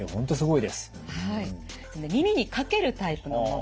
耳に掛けるタイプのもの。